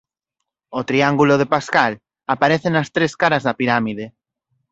O triángulo de Pascal aparece nas tres caras da pirámide.